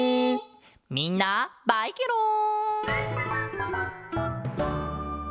みんなバイケロン！